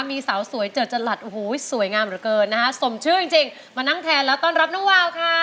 มีสาวสวยเจิดจรัสโอ้โหสวยงามเหลือเกินนะคะสมชื่อจริงมานั่งแทนแล้วต้อนรับน้องวาวค่ะ